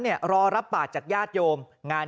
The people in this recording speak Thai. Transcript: นี่มนต์กลับครับเจ้านาธิบอกนะครับ